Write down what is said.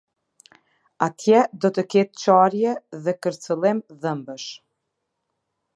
Atje do të ketë qarje dhe kërcëllim dhëmbësh.